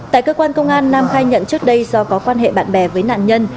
tại cơ quan công an nam khai nhận trước đây do có quan hệ bạn bè với nạn nhân